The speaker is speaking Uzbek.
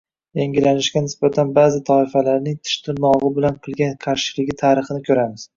yangilanishga nisbatan ba’zi toifalarning tish-tirnog‘i bilan qilgan qarshiligi tarixini ko‘ramiz.